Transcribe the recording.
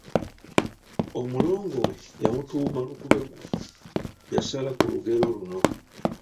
Omulongo we yamutuuma Lukubeggu, yasala ku lugero luno.